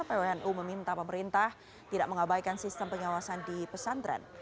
pwnu meminta pemerintah tidak mengabaikan sistem pengawasan di pesantren